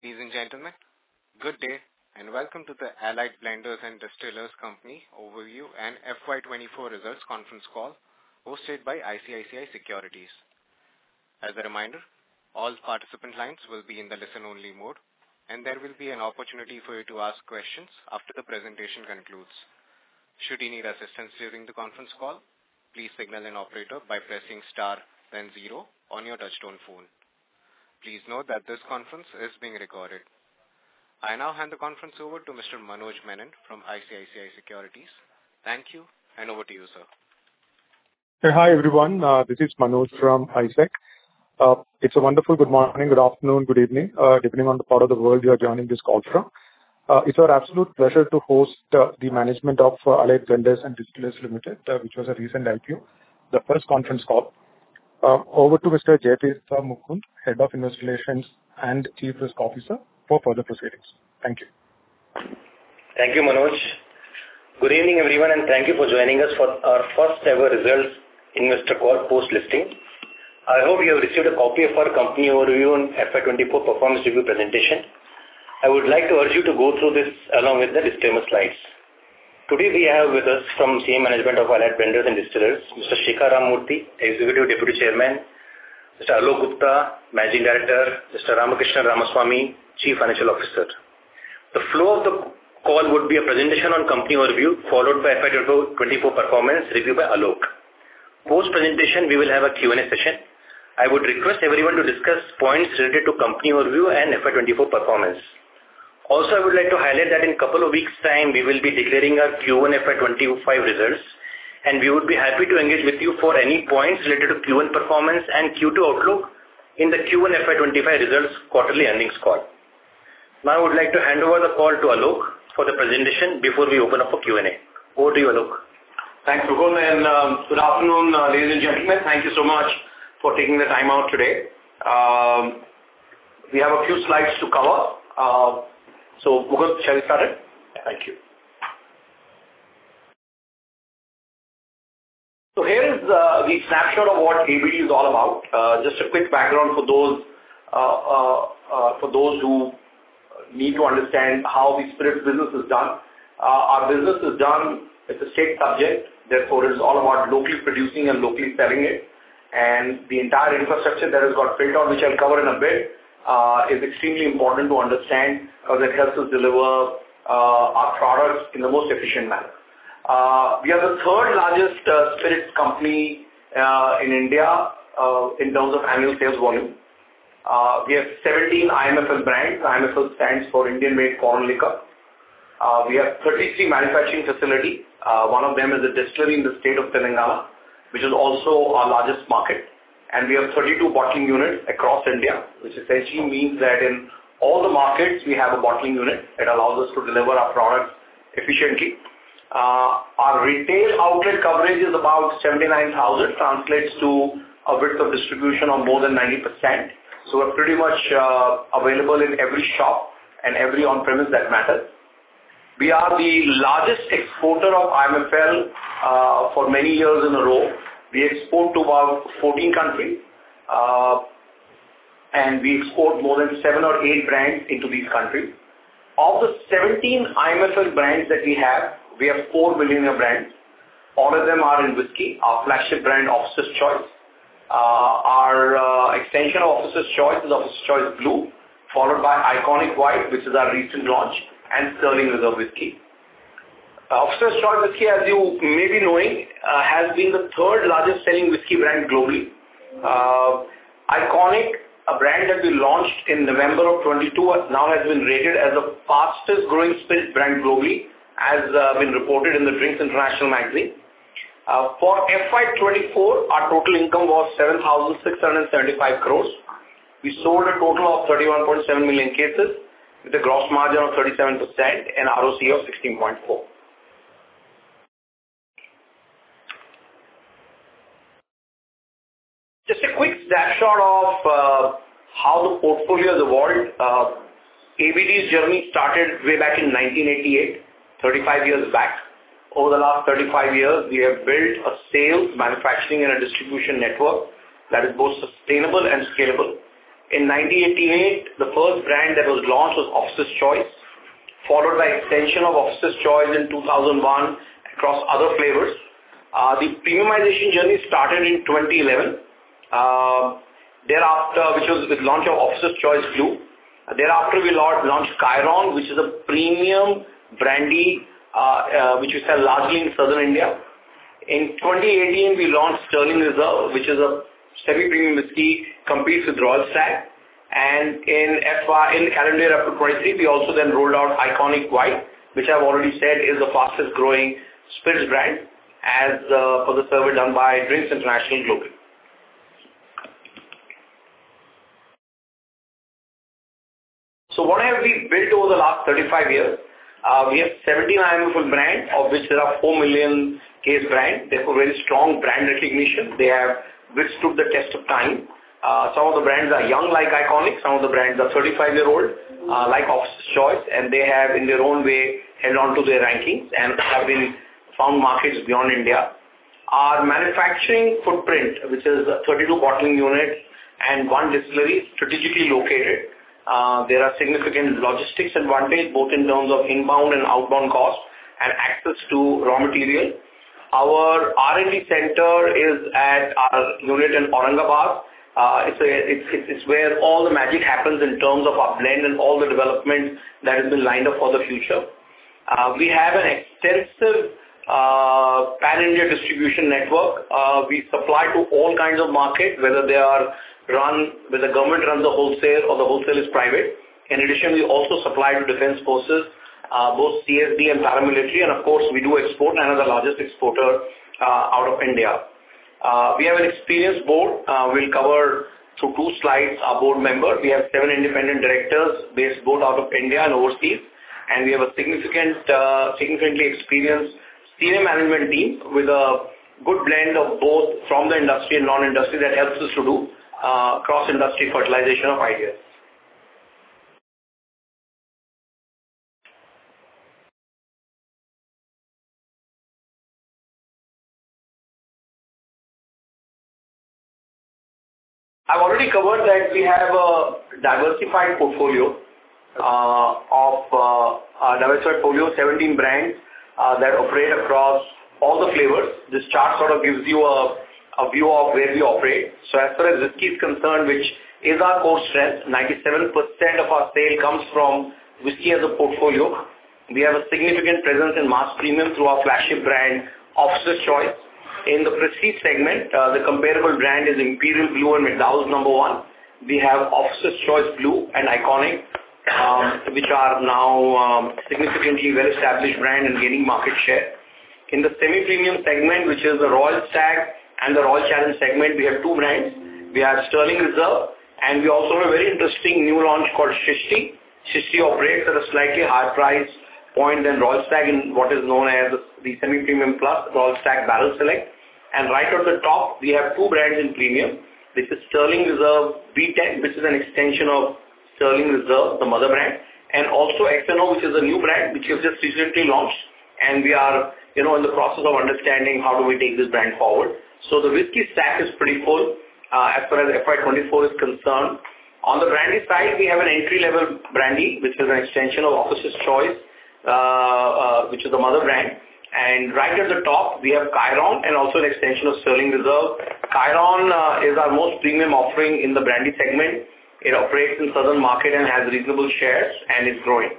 Ladies and gentlemen, good day and welcome to the Allied Blenders and Distillers Limited overview and FY 2024 results conference call hosted by ICICI Securities. As a reminder, all participant lines will be in the listen-only mode, and there will be an opportunity for you to ask questions after the presentation concludes. Should you need assistance during the conference call, please signal an operator by pressing star, then zero on your touch-tone phone. Please note that this conference is being recorded. I now hand the conference over to Mr. Manoj Menon from ICICI Securities. Thank you, and over to you, sir. Sir, hi everyone. This is Manoj from ICICI Securities. It's a wonderful good morning, good afternoon, good evening, depending on the part of the world you are joining this call from. It's our absolute pleasure to host the management of Allied Blenders and Distillers Limited, which was a recent IPO, the first conference call. Over to Mr. Jayathirtha Mukund, Head of Investor Relations and Chief Risk Officer, for further proceedings. Thank you. Thank you, Manoj. Good evening, everyone, and thank you for joining us for our first-ever results in Mr. Gupta's post-listing. I hope you have received a copy of our company overview and FY 2024 performance review presentation. I would like to urge you to go through this along with the disclaimer slides. Today we have with us from the management of Allied Blenders and Distillers, Mr. Shekhar Ramamurthy, Executive Deputy Chairman, Mr. Alok Gupta, Managing Director, Mr. Ramakrishnan Ramaswamy, Chief Financial Officer. The flow of the call would be a presentation on company overview, followed by FY 2024 performance review by Alok. Post-presentation, we will have a Q&A session. I would request everyone to discuss points related to company overview and FY 2024 performance. Also, I would like to highlight that in a couple of weeks' time, we will be declaring our Q1 FY 2025 results, and we would be happy to engage with you for any points related to Q1 performance and Q2 outlook in the Q1 FY 2025 results quarterly earnings call. Now, I would like to hand over the call to Alok for the presentation before we open up for Q&A. Over to you, Alok. Thanks, Mukund, and good afternoon, ladies and gentlemen. Thank you so much for taking the time out today. We have a few slides to cover. So, Mukund, shall we start? Thank you. So here is the snapshot of what ABD is all about. Just a quick background for those who need to understand how this business is done. Our business is done as a state subject. Therefore, it is all about locally producing and locally selling it. And the entire infrastructure that has got built on, which I'll cover in a bit, is extremely important to understand because it helps us deliver our products in the most efficient manner. We are the third largest spirits company in India in terms of annual sales volume. We have 17 IMFL brands. IMFL stands for Indian Made Foreign Liquor. We have 33 manufacturing facilities. One of them is a distillery in the state of Telangana, which is also our largest market. We have 32 bottling units across India, which essentially means that in all the markets, we have a bottling unit. It allows us to deliver our products efficiently. Our retail outlet coverage is about 79,000, translates to a width of distribution of more than 90%. We're pretty much available in every shop and every on-premise, that matters. We are the largest exporter of IMFL for many years in a row. We export to about 14 countries, and we export more than seven or eight brands into these countries. Of the 17 IMFL brands that we have, we have 4 billionaire brands. All of them are in whiskey. Our flagship brand, Officer's Choice, our extension of Officer's Choice is Officer's Choice Blue, followed by ICONiQ White, which is our recent launch, and Sterling Reserve Whiskey. Officer's Choice Whiskey, as you may be knowing, has been the third largest selling whiskey brand globally. ICONiQ, a brand that we launched in November of 2022, now has been rated as the fastest growing spirit brand globally, as has been reported in the Drinks International Magazine. For FY 2024, our total income was 7,675 crores. We sold a total of 31.7 million cases with a gross margin of 37% and ROCE of 16.4%. Just a quick snapshot of how the portfolio has evolved. ABD's journey started way back in 1988, 35 years back. Over the last 35 years, we have built a sales, manufacturing, and distribution network that is both sustainable and scalable. In 1988, the first brand that was launched was Officer's Choice, followed by extension of Officer's Choice in 2001 across other flavors. The premiumization journey started in 2011, which was with the launch of Officer's Choice Blue. Thereafter, we launched KYRON, which is a premium brandy which we sell largely in South India. In 2018, we launched Sterling Reserve, which is a semi-premium whiskey, competes with Royal Stag. In calendar year 2023, we also then rolled out ICONiQ White, which I've already said is the fastest growing spirits brand for the survey done by Drinks International Globally. So what have we built over the last 35 years? We have 17 IMFL brands, of which there are 4 million case brands. They have a very strong brand recognition. They have withstood the test of time. Some of the brands are young like ICONiQ. Some of the brands are 35-year-old like Officer's Choice, and they have, in their own way, held on to their rankings and have been found markets beyond India. Our manufacturing footprint, which is 32 bottling units and one distillery, is strategically located. There are significant logistics advantages, both in terms of inbound and outbound costs and access to raw material. Our R&D center is at our unit in Aurangabad. It's where all the magic happens in terms of our blend and all the development that has been lined up for the future. We have an extensive pan-India distribution network. We supply to all kinds of markets, whether they are run by the government, run the wholesale, or the wholesale is private. In addition, we also supply to defense forces, both CSD and paramilitary. Of course, we do export and are the largest exporter out of India. We have an experienced board. We'll cover through 2 slides our board members. We have 7 independent directors based both out of India and overseas. And we have a significantly experienced senior management team with a good blend of both from the industry and non-industry that helps us to do cross-industry fertilization of ideas. I've already covered that we have a diversified portfolio of 17 brands that operate across all the flavors. This chart sort of gives you a view of where we operate. So as far as whiskey is concerned, which is our core strength, 97% of our sale comes from whiskey as a portfolio. We have a significant presence in mass premium through our flagship brand, Officer's Choice. In the prestige segment, the comparable brand is Imperial Blue and McDowell's No. 1. We have Officer's Choice Blue and ICONiQ, which are now significantly well-established brands and gaining market share. In the semi-premium segment, which is the Royal Stag and the Royal Challenge segment, we have two brands. We have Sterling Reserve, and we also have a very interesting new launch called Srishti. Srishti operates at a slightly higher price point than Royal Stag in what is known as the semi-premium plus Royal Stag Barrel Select. Right at the top, we have two brands in premium. This is Sterling Reserve Blend 10, which is an extension of Sterling Reserve, the mother brand, and also X&O, which is a new brand which has just recently launched. We are in the process of understanding how do we take this brand forward. The whiskey stack is pretty full as far as FY 2024 is concerned. On the brandy side, we have an entry-level brandy, which is an extension of Officer's Choice, which is the mother brand. Right at the top, we have Kyron and also an extension of Sterling Reserve. Kyron is our most premium offering in the brandy segment. It operates in southern market and has reasonable shares and is growing.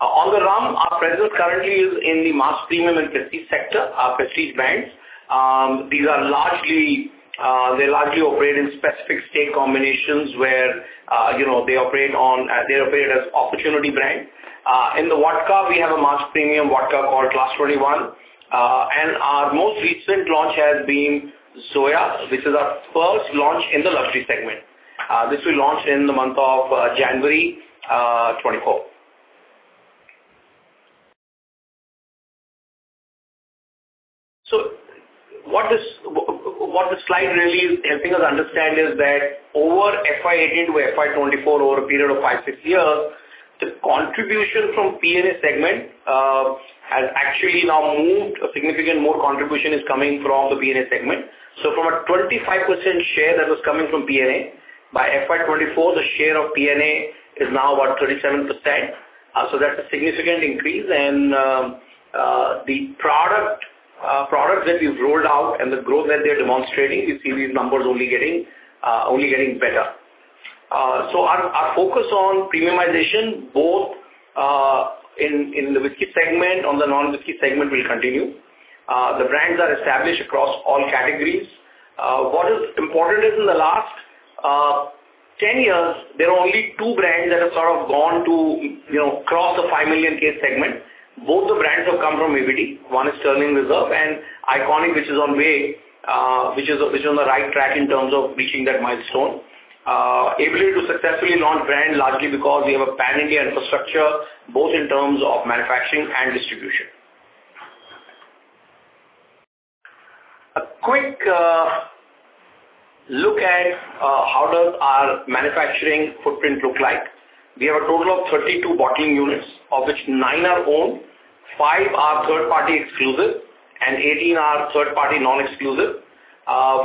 On the rum, our presence currently is in the mass premium and prestige sector, our prestige brands. They largely operate in specific state combinations where they operate on their opportunity brand. In the vodka, we have a mass premium vodka called Class 21. Our most recent launch has been Zoya, which is our first launch in the luxury segment. This we launched in the month of January 2024. So what the slide really is helping us understand is that over FY 2018 to FY 2024, over a period of 5-6 years, the contribution from P&A segment has actually now moved. A significant more contribution is coming from the P&A segment. So from a 25% share that was coming from P&A by FY 2024, the share of P&A is now about 37%. So that's a significant increase. And the products that we've rolled out and the growth that they're demonstrating, you see these numbers only getting better. So our focus on premiumization, both in the whiskey segment, on the non-whiskey segment, will continue. The brands are established across all categories. What is important is in the last 10 years, there are only two brands that have sort of gone to cross the 5 million case segment. Both the brands have come from ABD. One is Sterling Reserve and ICONiQ, which is on way, which is on the right track in terms of reaching that milestone. Able to successfully launch brand largely because we have a pan-India infrastructure, both in terms of manufacturing and distribution. A quick look at how does our manufacturing footprint look like. We have a total of 32 bottling units, of which 9 are owned, 5 are third-party exclusive, and 18 are third-party non-exclusive.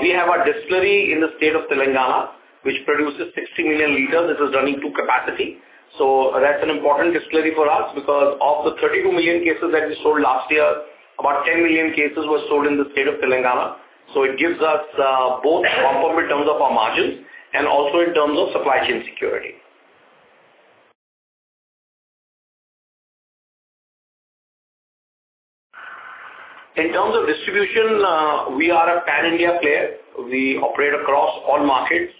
We have a distillery in the state of Telangana, which produces 60 million liters. This is running to capacity. So that's an important distillery for us because of the 32 million cases that we sold last year, about 10 million cases were sold in the state of Telangana. So it gives us both complement in terms of our margins and also in terms of supply chain security. In terms of distribution, we are a pan-India player. We operate across all markets,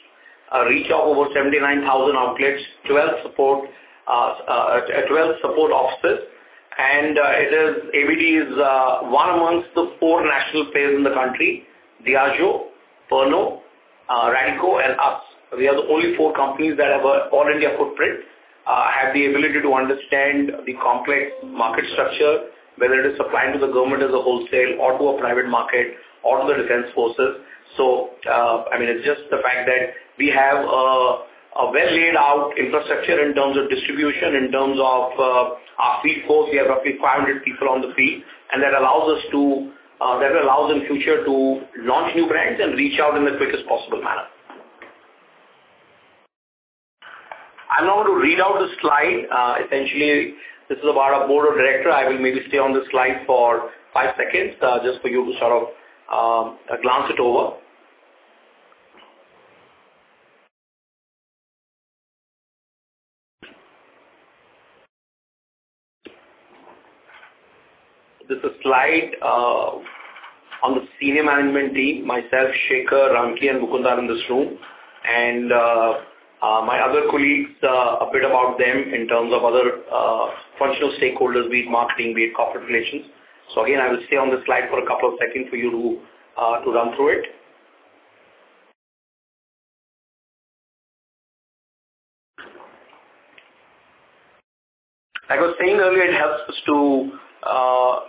reach out over 79,000 outlets, 12 support offices. ABD is one among the four national players in the country: Diageo, Pernod, Radico, and us. We are the only four companies that have an all-India footprint, have the ability to understand the complex market structure, whether it is supplying to the government as a wholesale or to a private market or to the defense forces. So I mean, it's just the fact that we have a well-laid-out infrastructure in terms of distribution, in terms of our field force. We have roughly 500 people on the field, and that allows us to, that allows in future to launch new brands and reach out in the quickest possible manner. I'm now going to read out the slide. Essentially, this is about our board of directors. I will maybe stay on the slide for five seconds just for you to sort of glance it over. This is a slide on the senior management team, myself, Shekhar, Ramki, and Mukund in this room. My other colleagues, a bit about them in terms of other functional stakeholders, be it marketing, be it corporate relations. So again, I will stay on the slide for a couple of seconds for you to run through it. Like I was saying earlier, it helps us to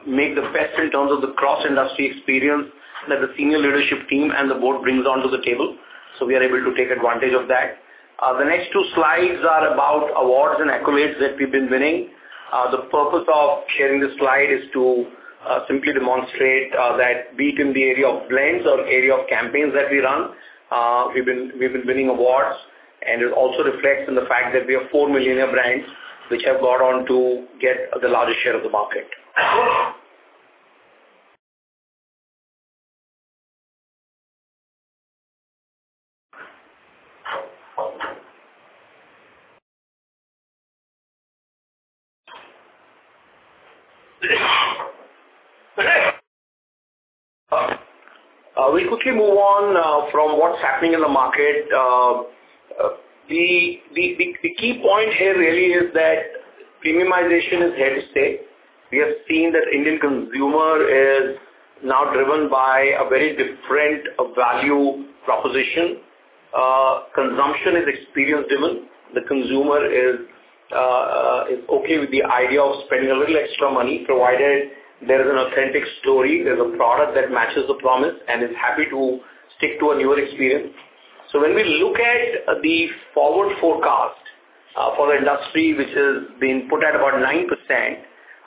make the best in terms of the cross-industry experience that the senior leadership team and the board brings onto the table. So we are able to take advantage of that. The next two slides are about awards and accolades that we've been winning. The purpose of sharing this slide is to simply demonstrate that be it in the area of blends or area of campaigns that we run. We've been winning awards, and it also reflects in the fact that we have four millionaire brands which have gone on to get the largest share of the market. We quickly move on from what's happening in the market. The key point here really is that premiumization is here to stay. We have seen that Indian consumer is now driven by a very different value proposition. Consumption is experience-driven. The consumer is okay with the idea of spending a little extra money, provided there is an authentic story. There's a product that matches the promise and is happy to stick to a newer experience. So when we look at the forward forecast for the industry, which has been put at about 9%,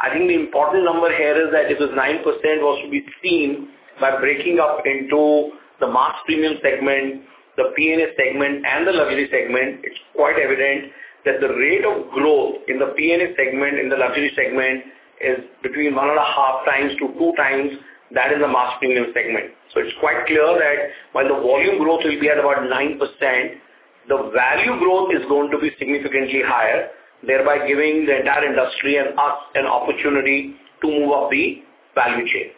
I think the important number here is that if it's 9%, it was to be seen by breaking up into the mass premium segment, the P&A segment, and the luxury segment, it's quite evident that the rate of growth in the P&A segment, in the luxury segment, is between 1.5 times to 2 times that in the mass premium segment. So it's quite clear that while the volume growth will be at about 9%, the value growth is going to be significantly higher, thereby giving the entire industry and us an opportunity to move up the value chain.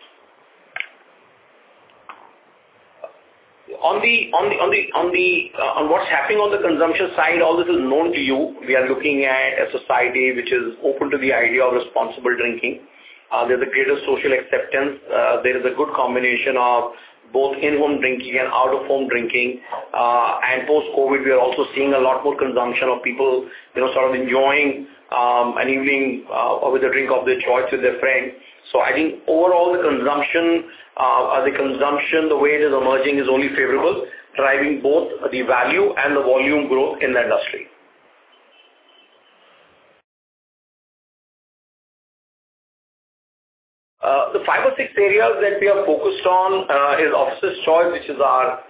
On what's happening on the consumption side, all this is known to you. We are looking at a society which is open to the idea of responsible drinking. There's a greater social acceptance. There is a good combination of both in-home drinking and out-of-home drinking. And post-COVID, we are also seeing a lot more consumption of people sort of enjoying an evening with a drink of their choice with their friends. So I think overall, the consumption, the way it is emerging, is only favorable, driving both the value and the volume growth in the industry. The five or six areas that we are focused on is Officer's Choice, which is our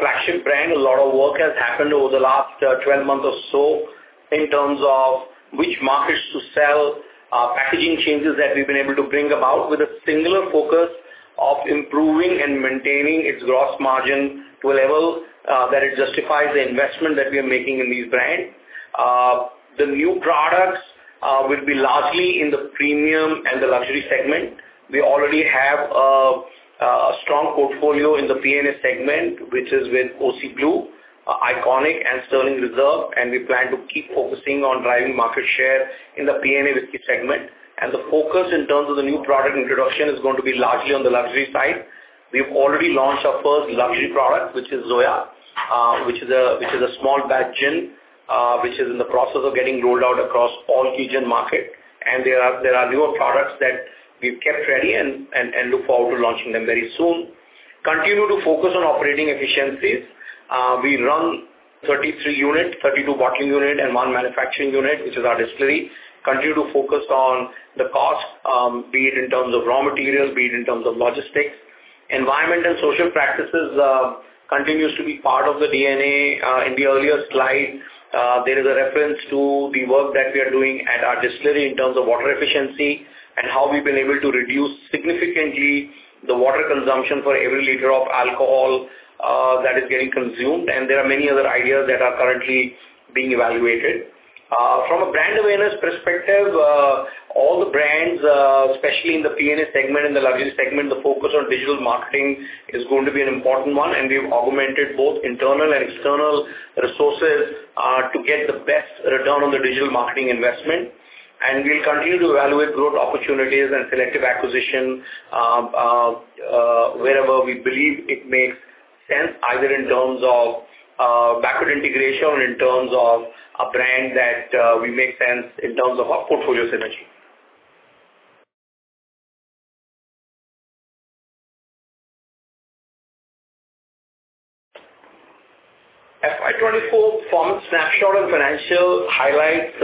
flagship brand. A lot of work has happened over the last 12 months or so in terms of which markets to sell, packaging changes that we've been able to bring about with a singular focus of improving and maintaining its gross margin to a level that it justifies the investment that we are making in these brands. The new products will be largely in the premium and the luxury segment. We already have a strong portfolio in the P&A segment, which is with OC Blue, ICONiQ, and Sterling Reserve. We plan to keep focusing on driving market share in the P&A whiskey segment. The focus in terms of the new product introduction is going to be largely on the luxury side. We've already launched our first luxury product, which is Zoya, which is a small batch gin, which is in the process of getting rolled out across all key markets. There are newer products that we've kept ready and look forward to launching them very soon. Continue to focus on operating efficiencies. We run 33 units, 32 bottling units, and one manufacturing unit, which is our distillery. Continue to focus on the cost, be it in terms of raw materials, be it in terms of logistics. Environment and social practices continue to be part of the DNA. In the earlier slide, there is a reference to the work that we are doing at our distillery in terms of water efficiency and how we've been able to reduce significantly the water consumption for every liter of alcohol that is getting consumed. There are many other ideas that are currently being evaluated. From a brand awareness perspective, all the brands, especially in the P&A segment, in the luxury segment, the focus on digital marketing is going to be an important one. We've augmented both internal and external resources to get the best return on the digital marketing investment. We'll continue to evaluate growth opportunities and selective acquisition wherever we believe it makes sense, either in terms of backward integration or in terms of a brand that we make sense in terms of our portfolio synergy. FY 2024 performance snapshot and financial highlights.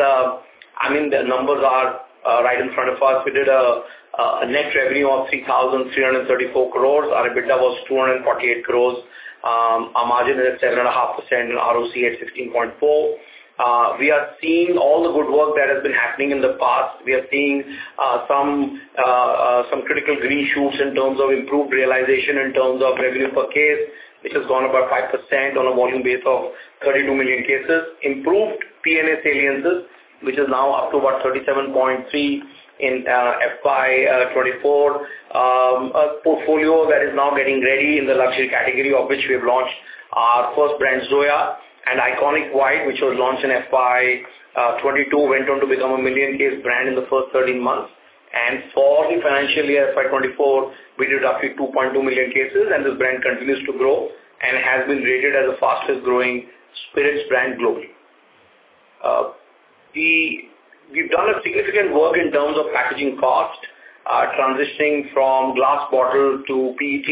I mean, the numbers are right in front of us. We did a net revenue of 3,334 crores. Our EBITDA was 248 crores. Our margin is at 7.5% and ROCE at 16.4%. We are seeing all the good work that has been happening in the past. We are seeing some critical green shoots in terms of improved realization in terms of revenue per case, which has gone about 5% on a volume base of 32 million cases. Improved P&A saliences, which is now up to about 37.3% in FY 2024. A portfolio that is now getting ready in the luxury category, of which we have launched our first brand, Zoya, and ICONiQ White, which was launched in FY 2022, went on to become a million-case brand in the first 13 months. For the financial year FY 2024, we did roughly 2.2 million cases, and this brand continues to grow and has been rated as a fastest-growing spirits brand globally. We've done significant work in terms of packaging cost, transitioning from glass bottle to PET,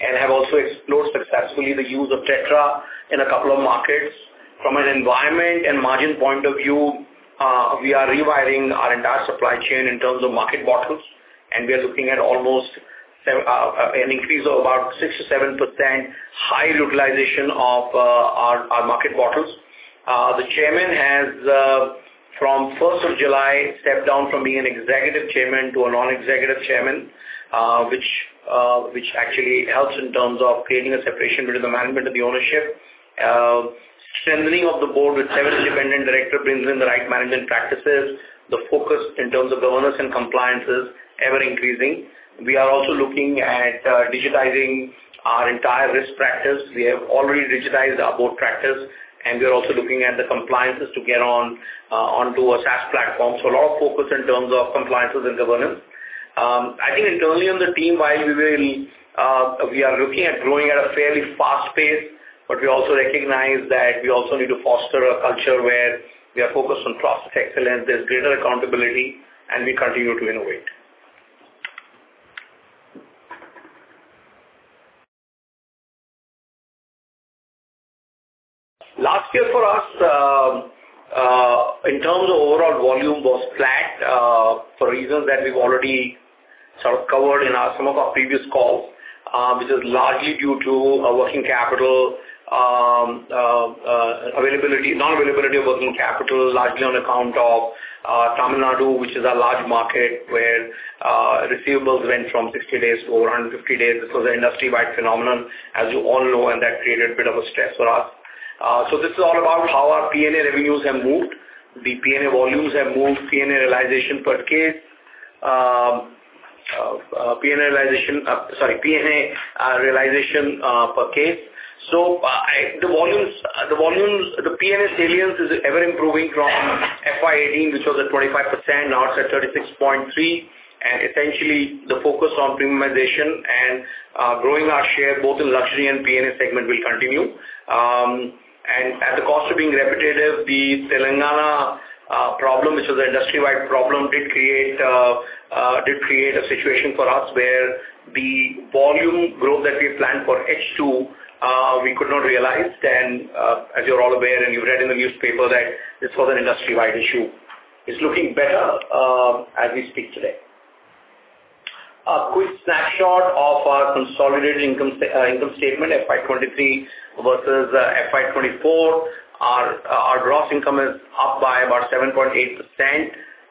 and have also explored successfully the use of Tetra in a couple of markets. From an environment and margin point of view, we are rewiring our entire supply chain in terms of malt bottles, and we are looking at almost an increase of about 6%-7% higher utilization of our malt bottles. The chairman has, from 1st of July, stepped down from being an executive chairman to a non-executive chairman, which actually helps in terms of creating a separation between the management and the ownership. Strengthening of the board with seven independent directors brings in the right management practices. The focus in terms of governance and compliance is ever increasing. We are also looking at digitizing our entire risk practice. We have already digitized our board practice, and we are also looking at the compliances to get onto a SaaS platform. So a lot of focus in terms of compliances and governance. I think internally on the team, while we are looking at growing at a fairly fast pace, but we also recognize that we also need to foster a culture where we are focused on cross-excellence. There's greater accountability, and we continue to innovate. Last year for us, in terms of overall volume, was flat for reasons that we've already sort of covered in some of our previous calls, which is largely due to working capital availability, non-availability of working capital, largely on account of Tamil Nadu, which is a large market where receivables went from 60 days to over 150 days. This was an industry-wide phenomenon, as you all know, and that created a bit of a stress for us. So this is all about how our P&A revenues have moved. The P&A volumes have moved, P&A realization per case, P&A realization per case. So the volumes, the P&A salience is ever improving from FY 2018, which was at 25%, now it's at 36.3%. And essentially, the focus on premiumization and growing our share both in luxury and P&A segment will continue. At the cost of being repetitive, the Telangana problem, which was an industry-wide problem, did create a situation for us where the volume growth that we planned for H2, we could not realize. As you're all aware, and you've read in the newspaper that this was an industry-wide issue. It's looking better as we speak today. A quick snapshot of our consolidated income statement, FY 2023 versus FY 2024. Our gross income is up by about 7.8%.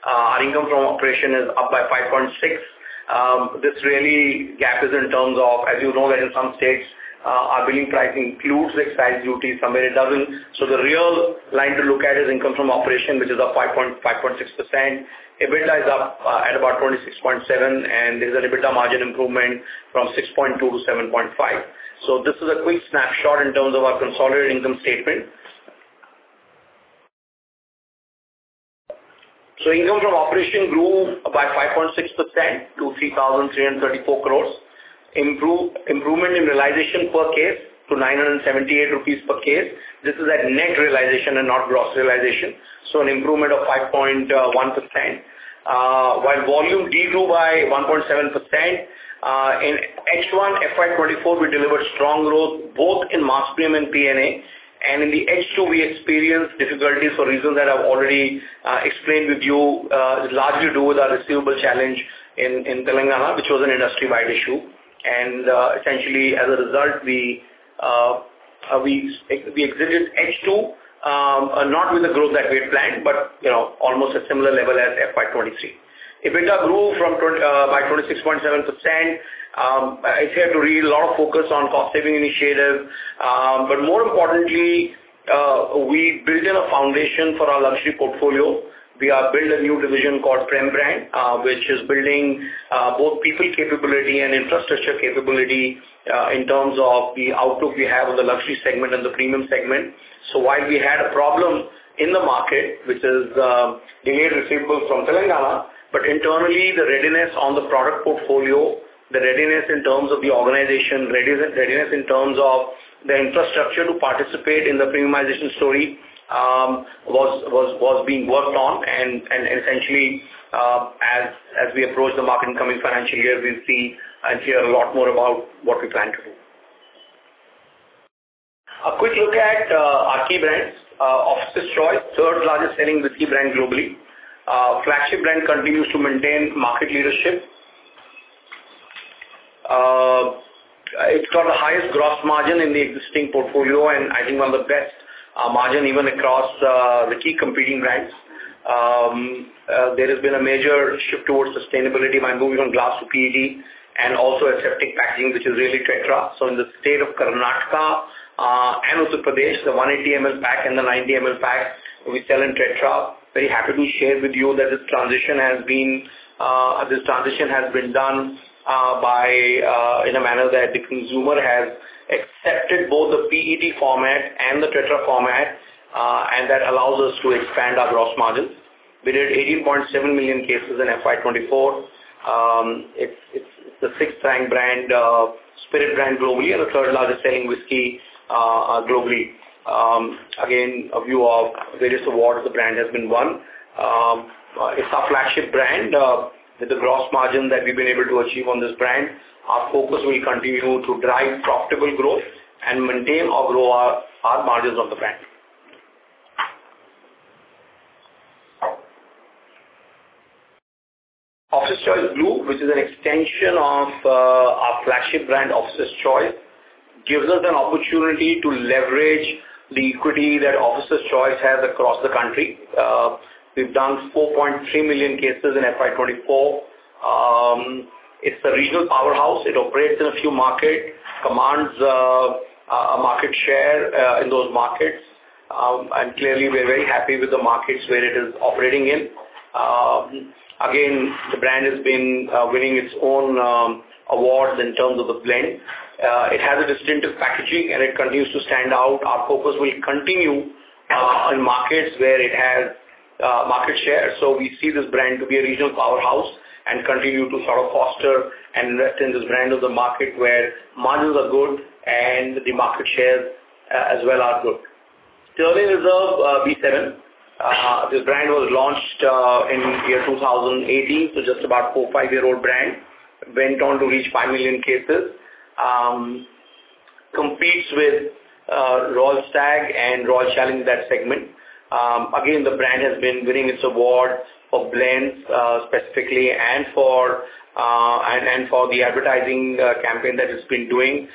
Our income from operation is up by 5.6%. This real gap is in terms of, as you know, that in some states, our billing pricing includes excise duty. Somewhere it doesn't. So the real line to look at is income from operation, which is up 5.6%. EBITDA is up at about 26.7%, and there's an EBITDA margin improvement from 6.2% to 7.5%. So this is a quick snapshot in terms of our consolidated income statement. Income from operations grew by 5.6% to 3,334 crores. Improvement in realization per case to 978 rupees per case. This is at net realization and not gross realization. An improvement of 5.1%. While volume did grow by 1.7%. In H1, FY 2024, we delivered strong growth both in mass premium and P&A. In the H2, we experienced difficulties for reasons that I've already explained with you. It's largely to do with our receivable challenge in Telangana, which was an industry-wide issue. Essentially, as a result, we exited H2, not with the growth that we had planned, but almost at similar level as FY 2023. EBITDA grew by 26.7%. It's heartening to see a lot of focus on cost-saving initiatives. But more importantly, we built in a foundation for our luxury portfolio. We have built a new division called Prem-Brands, which is building both people capability and infrastructure capability in terms of the outlook we have on the luxury segment and the premium segment. So while we had a problem in the market, which is delayed receivables from Telangana, but internally, the readiness on the product portfolio, the readiness in terms of the organization, readiness in terms of the infrastructure to participate in the premiumization story was being worked on. And essentially, as we approach the market incoming financial year, we'll see and hear a lot more about what we plan to do. A quick look at our key brands. Officer's Choice, third largest selling whisky brand globally. Flagship brand continues to maintain market leadership. It's got the highest gross margin in the existing portfolio and, I think, one of the best margins even across the key competing brands. There has been a major shift towards sustainability by moving from glass to PET and also accepting packaging, which is really Tetra. So in the state of Karnataka and Uttar Pradesh, the 180 ml pack and the 90 ml pack, we sell in Tetra. Very happy to share with you that this transition has been done in a manner that the consumer has accepted both the PET format and the Tetra format, and that allows us to expand our gross margin. We did 18.7 million cases in FY 2024. It's the sixth-ranked spirit brand globally and the third largest selling whiskey globally. Again, a view of various awards the brand has won. It's our flagship brand with the gross margin that we've been able to achieve on this brand. Our focus will continue to drive profitable growth and maintain or grow our margins of the brand. Officer's Choice Blue, which is an extension of our flagship brand, Officer's Choice, gives us an opportunity to leverage the equity that Officer's Choice has across the country. We've done 4.3 million cases in FY 2024. It's a regional powerhouse. It operates in a few markets, commands a market share in those markets. And clearly, we're very happy with the markets where it is operating in. Again, the brand has been winning its own awards in terms of the blend. It has a distinctive packaging, and it continues to stand out. Our focus will continue in markets where it has market share. So we see this brand to be a regional powerhouse and continue to sort of foster and invest in this brand on the market where margins are good and the market shares as well are good. Sterling Reserve B7. This brand was launched in the year 2018, so just about a four or five-year-old brand. Went on to reach 5 million cases. Competes with Royal Stag and Royal Challenge in that segment. Again, the brand has been winning its award for blends specifically and for the advertising campaign that it's been doing.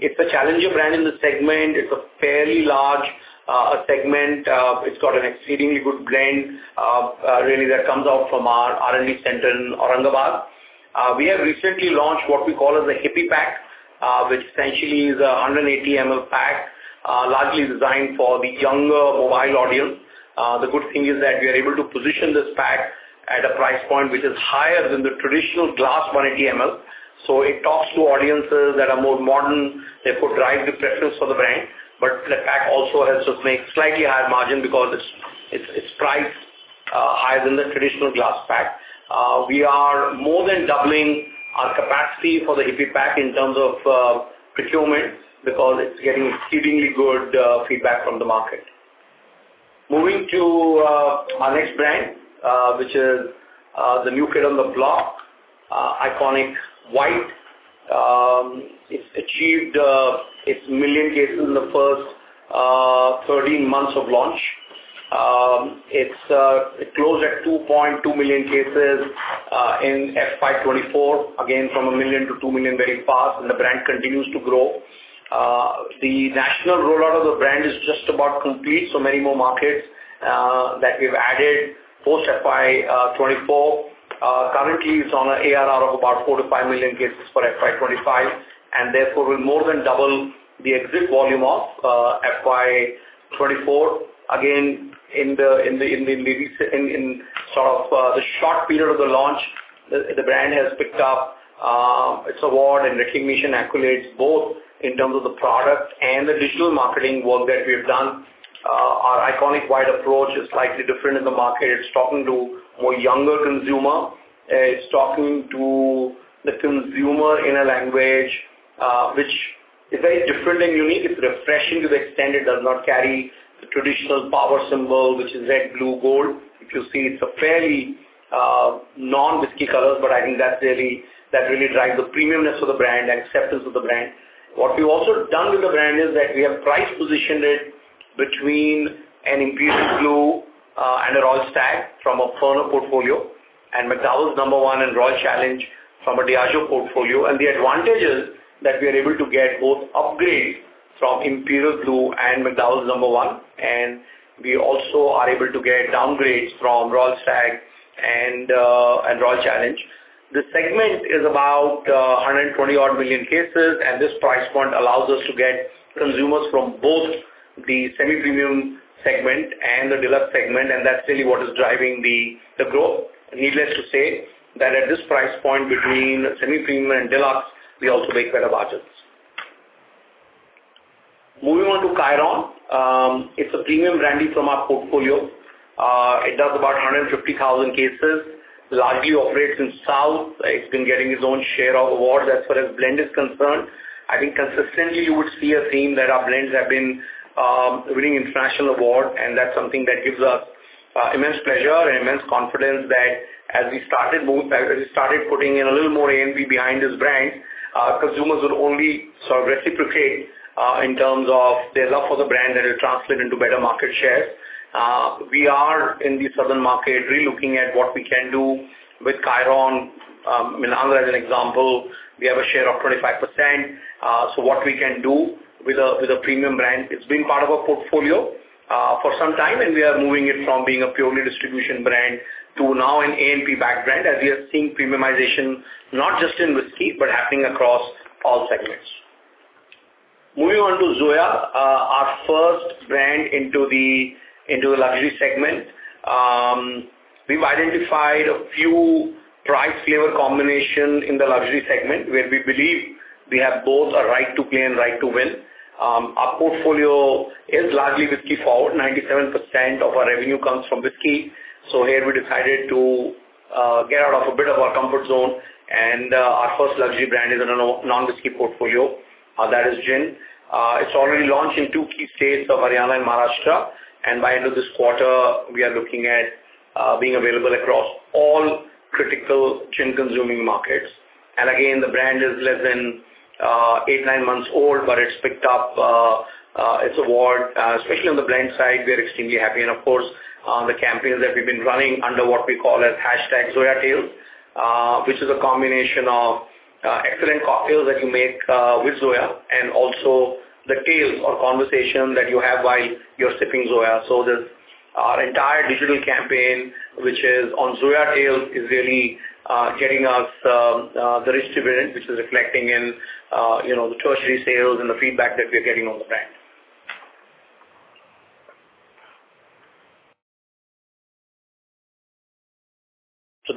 It's a challenger brand in the segment. It's a fairly large segment. It's got an exceedingly good blend, really, that comes out from our R&D center in Aurangabad. We have recently launched what we call as the Hippie Pack, which essentially is a 180 ml pack, largely designed for the younger mobile audience. The good thing is that we are able to position this pack at a price point which is higher than the traditional glass 180 ml. So it talks to audiences that are more modern. They could drive the preference for the brand, but the pack also has to make slightly higher margin because it's priced higher than the traditional glass pack. We are more than doubling our capacity for the Hippie Pack in terms of procurement because it's getting exceedingly good feedback from the market. Moving to our next brand, which is the new kid on the block, ICONiQ White. It's achieved its 1 million cases in the first 13 months of launch. It closed at 2.2 million cases in FY 2024, again from 1 million to 2 million very fast, and the brand continues to grow. The national rollout of the brand is just about complete, so many more markets that we've added post FY 2024. Currently, it's on an ARR of about 4-5 million cases for FY 2025, and therefore will more than double the exit volume of FY 2024. Again, in the sort of the short period of the launch, the brand has picked up its award and recognition accolades both in terms of the product and the digital marketing work that we have done. Our ICONiQ White approach is slightly different in the market. It's talking to more younger consumer. It's talking to the consumer in a language which is very different and unique. It's refreshing to the extent it does not carry the traditional power symbol, which is red, blue, gold. If you see, it's a fairly non-whiskey color, but I think that really drives the premiumness of the brand and acceptance of the brand. What we've also done with the brand is that we have price positioned it between an Imperial Blue and a Royal Stag from a Pernod portfolio and McDowell's No. 1 and Royal Challenge from a Diageo portfolio. The advantage is that we are able to get both upgrades from Imperial Blue and McDowell's No. 1, and we also are able to get downgrades from Royal Stag and Royal Challenge. The segment is about 120-odd million cases, and this price point allows us to get consumers from both the semi-premium segment and the deluxe segment, and that's really what is driving the growth. Needless to say that at this price point between semi-premium and deluxe, we also make better margins. Moving on to Kyron. It's a premium brandy from our portfolio. It does about 150,000 cases, largely operates in South. It's been getting its own share of awards as far as blend is concerned. I think consistently you would see a theme that our blends have been winning international awards, and that's something that gives us immense pleasure and immense confidence that as we started putting in a little more A&P behind this brand, consumers would only sort of reciprocate in terms of their love for the brand that it translated into better market shares. We are in the southern market really looking at what we can do with Kyron. I mean, as an example, we have a share of 25%. So what we can do with a premium brand, it's been part of our portfolio for some time, and we are moving it from being a purely distribution brand to now an A&P backed brand as we are seeing premiumization not just in whiskey, but happening across all segments. Moving on to Zoya, our first brand into the luxury segment. We've identified a few price-flavor combinations in the luxury segment where we believe we have both a right to play and right to win. Our portfolio is largely whiskey-forward. 97% of our revenue comes from whiskey. So here we decided to get out of a bit of our comfort zone, and our first luxury brand is in a non-whiskey portfolio. That is gin. It's already launched in two key states of Haryana and Maharashtra, and by end of this quarter, we are looking at being available across all critical gin-consuming markets. And again, the brand is less than eight, nine months old, but it's picked up its award. Especially on the blend side, we are extremely happy. And of course, the campaigns that we've been running under what we call as #ZoyaTales, which is a combination of excellent cocktails that you make with Zoya and also the tales or conversations that you have while you're sipping Zoya. So our entire digital campaign, which is on Zoya Tales, is really getting us the rich dividend, which is reflecting in the tertiary sales and the feedback that we are getting on the brand.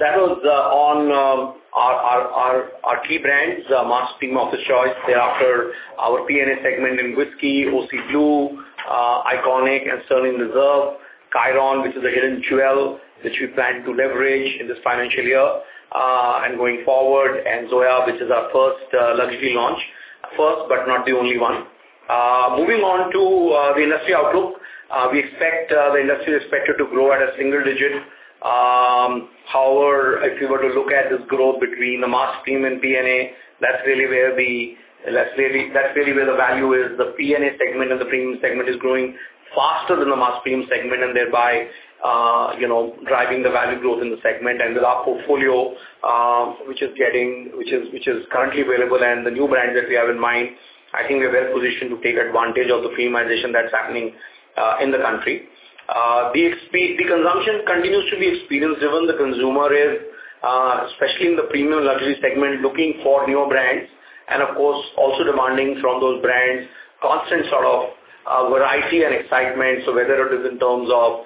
So that was on our key brands, Mass Premium and Officer's Choice. Thereafter, our P&A segment in whiskey, OC Blue, ICONiQ, and Sterling Reserve. Kyron, which is a hidden jewel, which we plan to leverage in this financial year and going forward, and Zoya which is our first luxury launch. First, but not the only one. Moving on to the industry outlook, we expect the industry expected to grow at a single digit. However, if you were to look at this growth between the Mass segment and P&A, that's really where the value is. The P&A segment and the premium segment is growing faster than the Mass segment segment and thereby driving the value growth in the segment. And with our portfolio, which is currently available and the new brand that we have in mind, I think we're well positioned to take advantage of the premiumization that's happening in the country. The consumption continues to be experienced given the consumer is, especially in the premium luxury segment, looking for newer brands and, of course, also demanding from those brands constant sort of variety and excitement. So whether it is in terms of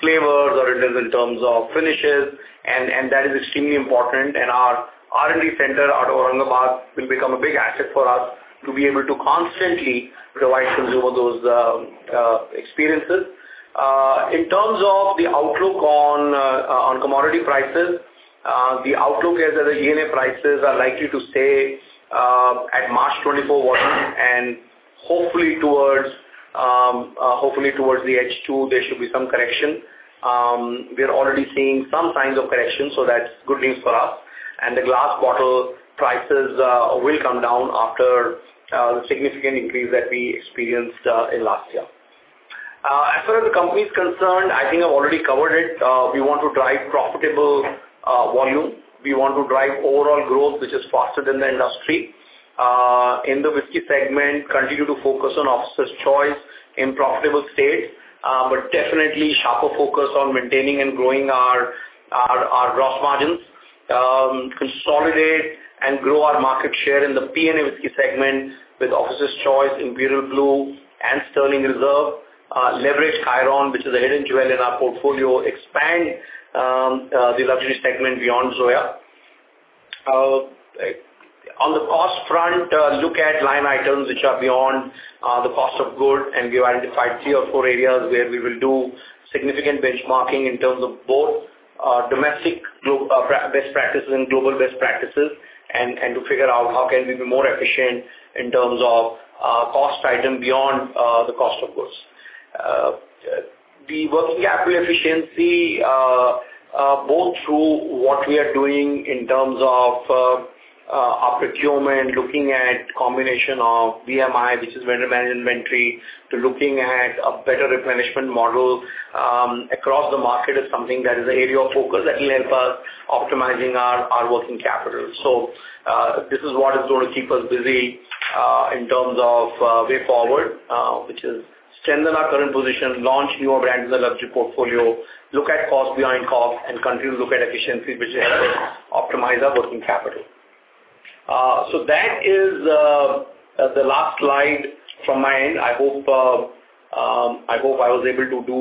flavors or it is in terms of finishes, and that is extremely important. Our R&D center out of Aurangabad will become a big asset for us to be able to constantly provide consumers those experiences. In terms of the outlook on commodity prices, the outlook is that the E&A prices are likely to stay at March 2024 volume, and hopefully towards the H2, there should be some correction. We are already seeing some signs of correction, so that's good news for us. The glass bottle prices will come down after the significant increase that we experienced last year. As far as the company is concerned, I think I've already covered it. We want to drive profitable volume. We want to drive overall growth, which is faster than the industry. In the whiskey segment, continue to focus on Officer's Choice in profitable states, but definitely sharper focus on maintaining and growing our gross margins. Consolidate and grow our market share in the P&A whiskey segment with Officer's Choice, Imperial Blue, and Sterling Reserve. Leverage Kyron, which is a hidden jewel in our portfolio. Expand the luxury segment beyond Zoya on the cost front. Look at line items which are beyond the cost of goods, and we've identified three or four areas where we will do significant benchmarking in terms of both domestic best practices and global best practices and to figure out how can we be more efficient in terms of cost item beyond the cost of goods. The working capital efficiency, both through what we are doing in terms of our procurement, looking at a combination of VMI, which is vendor management inventory, to looking at a better replenishment model across the market is something that is an area of focus that will help us optimizing our working capital. So this is what is going to keep us busy in terms of way forward, which is strengthen our current position, launch newer brands in the luxury portfolio, look at cost beyond cost, and continue to look at efficiencies, which help us optimize our working capital. So that is the last slide from my end. I hope I was able to do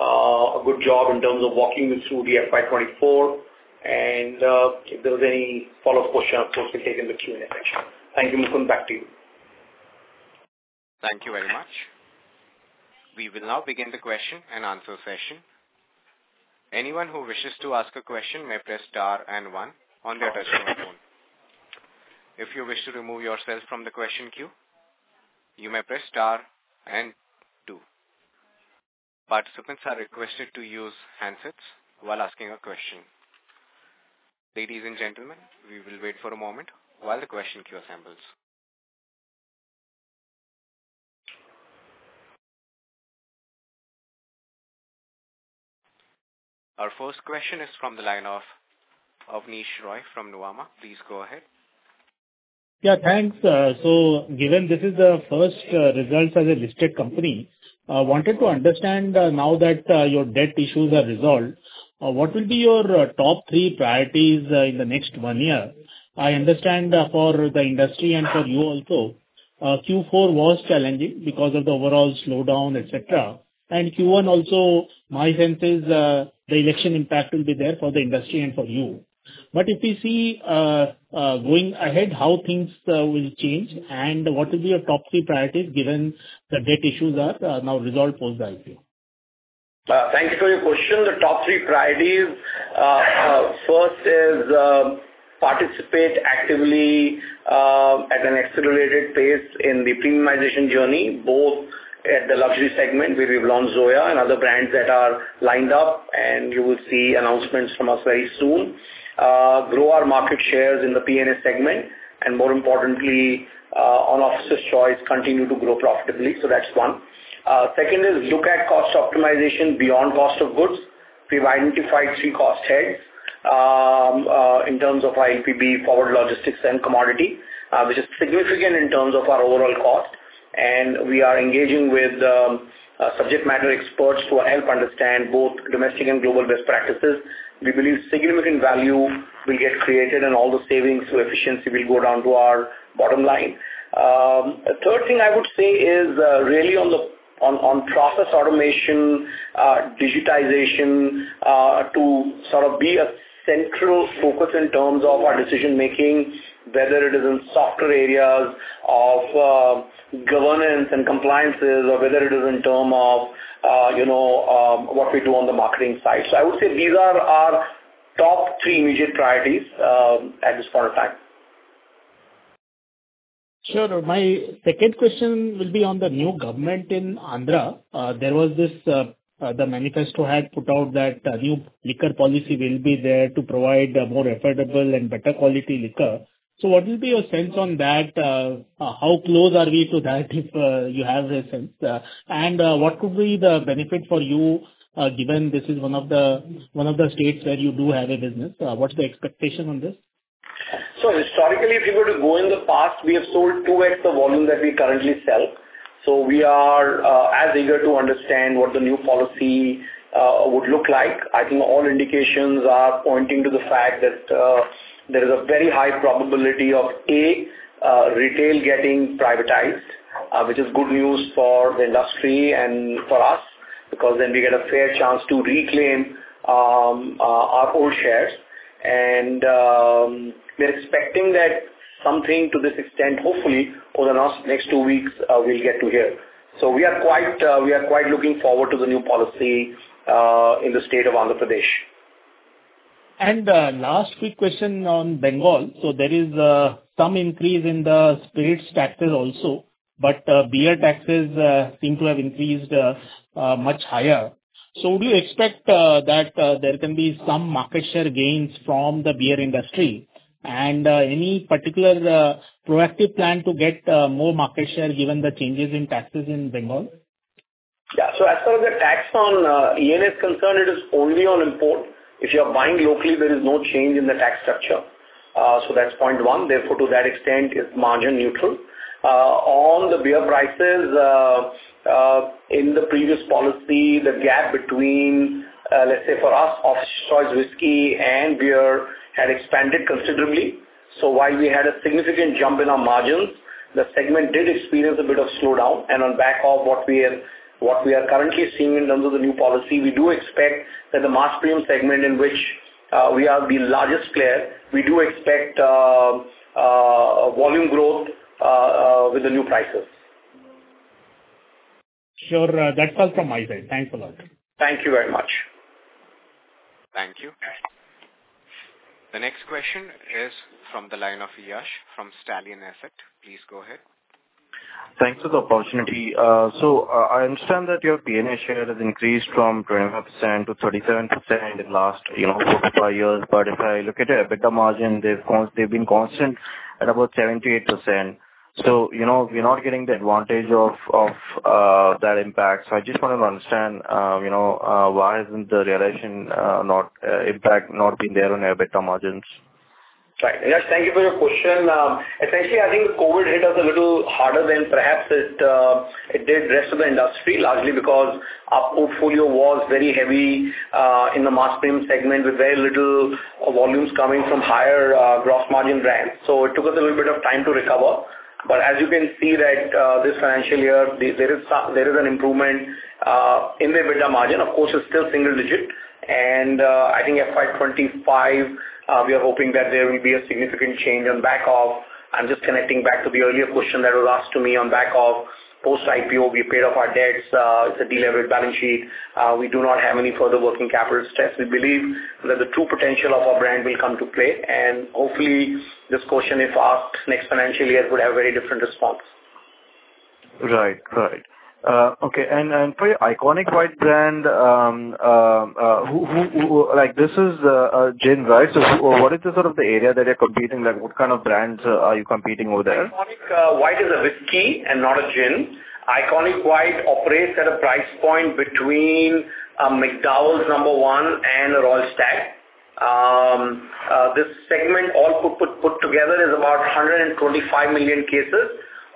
a good job in terms of walking you through the FY 2024. And if there was any follow-up question, of course, we'll take it in the Q&A section. Thank you. Mukund, back to you. Thank you very much. We will now begin the question and answer session. Anyone who wishes to ask a question may press star and one on their touchscreen phone. If you wish to remove yourself from the question queue, you may press star and two. Participants are requested to use handsets while asking a question. Ladies and gentlemen, we will wait for a moment while the question queue assembles. Our first question is from the line of Abneesh Roy from Nuvama. Please go ahead. Yeah, thanks. So given this is the first results as a listed company, I wanted to understand now that your debt issues are resolved, what will be your top three priorities in the next one year? I understand for the industry and for you also, Q4 was challenging because of the overall slowdown, etc. And Q1 also, my sense is the election impact will be there for the industry and for you. But if we see going ahead, how things will change and what will be your top three priorities given the debt issues are now resolved post IPO? Thank you for your question. The top three priorities, first is participate actively at an accelerated pace in the premiumization journey, both at the luxury segment where we've launched Zoya and other brands that are lined up, and you will see announcements from us very soon. Grow our market shares in the P&A segment, and more importantly, on Officer's Choice, continue to grow profitably. So that's one. Second is look at cost optimization beyond cost of goods. We've identified three cost heads in terms of ILPB, forward logistics, and commodity, which is significant in terms of our overall cost. And we are engaging with subject matter experts who will help understand both domestic and global best practices. We believe significant value will get created, and all the savings through efficiency will go down to our bottom line. The third thing I would say is really on process automation, digitization to sort of be a central focus in terms of our decision-making, whether it is in software areas of governance and compliances or whether it is in terms of what we do on the marketing side. So I would say these are our top three immediate priorities at this point of time. Sure. My second question will be on the new government in Andhra. There was this manifesto had put out that a new liquor policy will be there to provide more affordable and better quality liquor. So what will be your sense on that? How close are we to that, if you have a sense? And what could be the benefit for you given this is one of the states where you do have a business? What's the expectation on this? So historically, if you were to go in the past, we have sold 2x the volume that we currently sell. So we are as eager to understand what the new policy would look like. I think all indications are pointing to the fact that there is a very high probability of Andhra Pradesh retail getting privatized, which is good news for the industry and for us because then we get a fair chance to reclaim our old shares. And we're expecting that something to this extent, hopefully over the next 2 weeks, we'll get to here. So we are quite looking forward to the new policy in the state of Andhra Pradesh. Last quick question on Bengal. So there is some increase in the spirits taxes also, but beer taxes seem to have increased much higher. So would you expect that there can be some market share gains from the beer industry and any particular proactive plan to get more market share given the changes in taxes in Bengal? Yeah. So as far as the tax on ENA is concerned, it is only on import. If you are buying locally, there is no change in the tax structure. So that's point one. Therefore, to that extent, it's margin neutral. On the beer prices, in the previous policy, the gap between, let's say, for us, Officer's Choice whiskey and beer had expanded considerably. So while we had a significant jump in our margins, the segment did experience a bit of slowdown. And on the back of what we are currently seeing in terms of the new policy, we do expect that the Mass segment segment, in which we are the largest player, we do expect volume growth with the new prices. Sure. That's all from my side. Thanks a lot. Thank you very much. Thank you. The next question is from the line of Yash from Stallion Asset. Please go ahead. Thanks for the opportunity. So I understand that your P&A share has increased from 25% to 37% in the last 4-5 years. But if I look at the EBITDA margin, they've been constant at about 78%. So we're not getting the advantage of that impact. So I just wanted to understand why hasn't the relation impact not been there on EBITDA margins? Right. Yes, thank you for your question. Essentially, I think COVID hit us a little harder than perhaps it did the rest of the industry, largely because our portfolio was very heavy in the Mass segment segment with very little volumes coming from higher gross margin brands. So it took us a little bit of time to recover. But as you can see that this financial year, there is an improvement in the EBITDA margin. Of course, it's still single digit. And I think FY 2025, we are hoping that there will be a significant change on back of. I'm just connecting back to the earlier question that was asked to me on back of post IPO, we paid off our debts. It's a deleveraged balance sheet. We do not have any further working capital stress. We believe that the true potential of our brand will come to play. Hopefully, this question, if asked next financial year, would have a very different response. Right. Right. Okay. And for your ICONiQ White brand, this is gin right? So what is the sort of the area that you're competing? What kind of brands are you competing over there? IconiQ White is a whiskey and not a gin. IconiQ White operates at a price point between McDowell's No. 1 and a Royal Stag. This segment, all put together, is about 125 million cases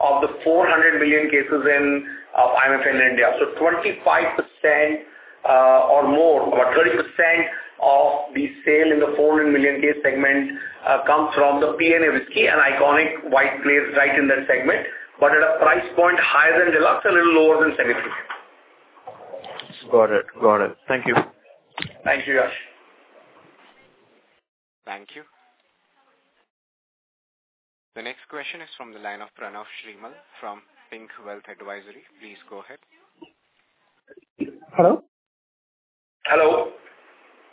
of the 400 million cases in IMFL in India. So 25% or more, about 30% of the sale in the 400 million case segment comes from the P&A whiskey and IconiQ White plays right in that segment, but at a price point higher than Deluxe, a little lower than 750. Got it. Got it. Thank you. Thank you, Yash. Thank you. The next question is from the line of Pranav Shrimal from PINC Wealth Advisory. Please go ahead. Hello. Hello.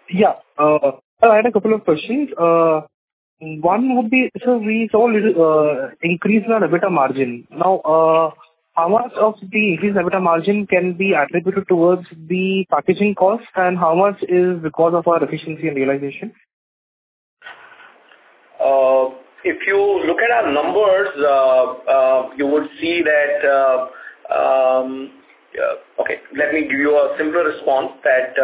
Yeah. I had a couple of questions. One would be, so we saw a little increase in our EBITDA margin. Now, how much of the increase in EBITDA margin can be attributed towards the packaging cost, and how much is because of our efficiency and realization? If you look at our numbers, you would see that okay, let me give you a simpler response that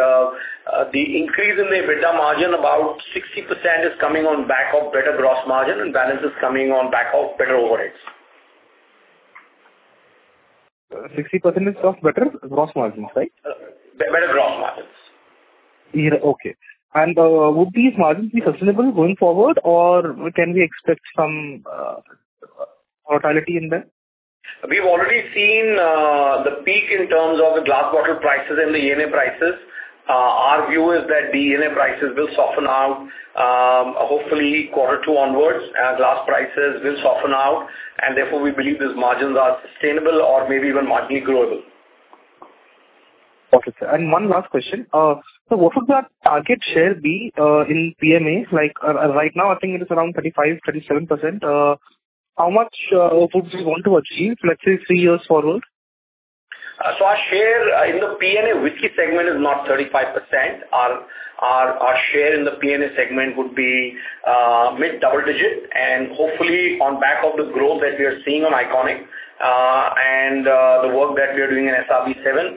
the increase in the EBITDA margin, about 60%, is coming on back of better gross margin, and balance is coming on back of better overheads. 60% is of better gross margins, right? Better gross margins. Yeah. Okay. And would these margins be sustainable going forward, or can we expect some volatility in them? We've already seen the peak in terms of the glass bottle prices and the E&A prices. Our view is that the E&A prices will soften out, hopefully quarter two onwards. Glass prices will soften out, and therefore, we believe these margins are sustainable or maybe even marginally growable. Okay. And one last question. So what would that target share be in P&A? Right now, I think it is around 35%-37%. How much would we want to achieve, let's say, three years forward? So our share in the P&A whiskey segment is not 35%. Our share in the P&A segment would be mid double digit and hopefully on back of the growth that we are seeing on ICONiQ and the work that we are doing in SRB7,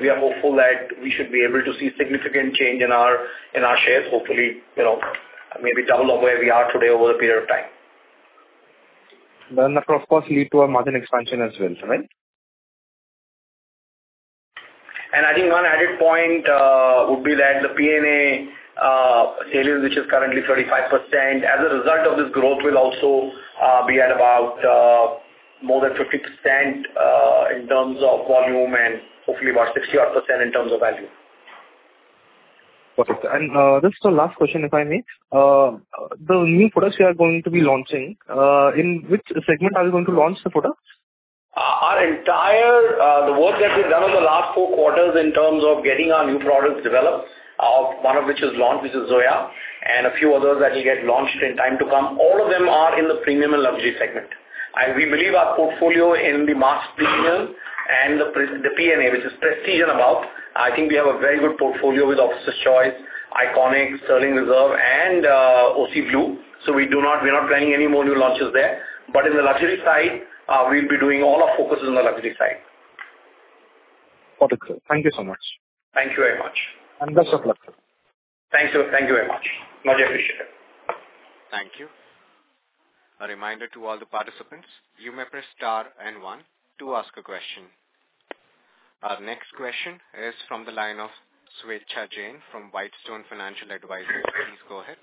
we are hopeful that we should be able to see significant change in our shares, hopefully maybe double of where we are today over the period of time. That will, of course, lead to a margin expansion as well, right? I think one added point would be that the P&A sales, which is currently 35%, as a result of this growth, will also be at about more than 50% in terms of volume and hopefully about 60-odd% in terms of value. Perfect. Just one last question, if I may. The new products you are going to be launching, in which segment are you going to launch the products? The work that we've done over the last four quarters in terms of getting our new products developed, one of which is launched, which is Zoya, and a few others that will get launched in time to come, all of them are in the premium and luxury segment. We believe our portfolio in the Mass segment and the P&A, which is prestige and above, I think we have a very good portfolio with Officer's Choice, ICONiQ, Sterling Reserve, and OC Blue. We're not planning any more new launches there. In the luxury side, we'll be doing all our focus on the luxury side. Perfect. Thank you so much. Thank you very much. Best of luck. Thank you. Thank you very much. Much appreciated. Thank you. A reminder to all the participants, you may press star and one to ask a question. Our next question is from the line of Swechha Jain from Whitestone Financial Advisory. Please go ahead.